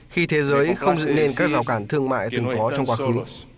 khi thế giới không dựng nên các rào cản thương mại từng có trong quá khứ